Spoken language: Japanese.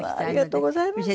ありがとうございます。